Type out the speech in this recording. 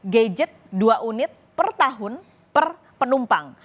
gadget dua unit per tahun per penumpang